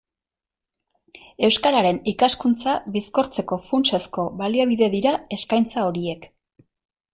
Euskararen ikaskuntza bizkortzeko funtsezko baliabide dira eskaintza horiek.